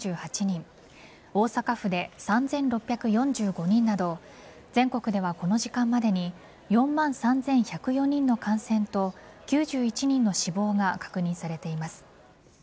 大阪府で３６４５人など全国ではこの時間までに４万３１０４人の感染と９１人の死亡が確認されています。